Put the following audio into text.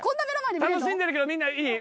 楽しんでるけどみんないい？